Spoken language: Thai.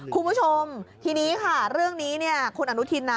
คุณผู้ชมทีนี้ค่ะเรื่องนี้เนี่ยคุณอนุทินนะ